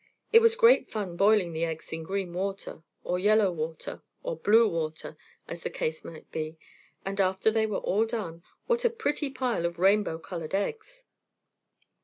It was great fun boiling the eggs in green water, or yellow water, or blue water, as the case might be, and after they were all done, what a pretty pile of rainbow colored eggs!